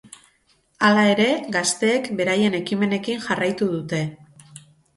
Hala ere, gazteek beraien ekimenekin jarraitu dute.